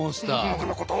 僕のこと？